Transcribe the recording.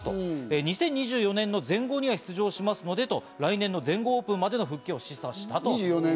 ２０２４年の全豪には出場しますのでと来年の全豪オープンまでの復帰を示唆しました。